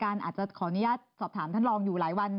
อาจจะขออนุญาตสอบถามคุณอยู่หลายวัน